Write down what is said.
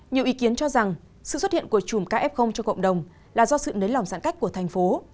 nhiều ý kiến cho rằng sự xuất hiện của chùm kf cho cộng đồng là do sự nới lỏng giãn cách của thành phố